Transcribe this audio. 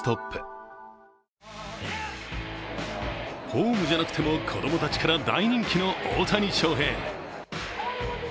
ホームじゃなくても子供たちから大人気の大谷翔平。